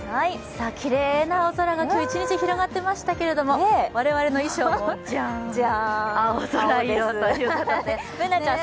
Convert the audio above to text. きれいな青空が一日広がっていましたけれども我々の衣装もジャーン、青空色ということで。